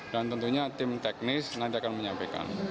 dan tentunya tim teknis nanti akan menyampaikan